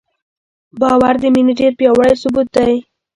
باور د مینې ډېر پیاوړی ثبوت دی.